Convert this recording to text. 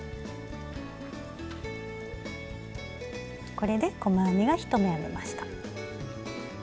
これで細編みが１目編めました。